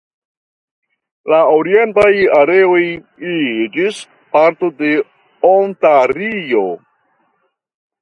La orientaj areoj iĝis parto de Ontario.